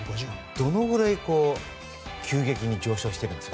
どのぐらい急激に上昇しているんですか？